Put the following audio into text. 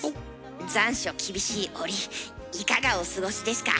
残暑厳しい折いかがお過ごしですか？